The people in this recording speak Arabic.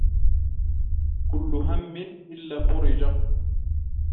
كل هم إلى فرج